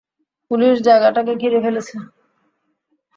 Police জায়গাটাকে ঘিরে ফেলেছে।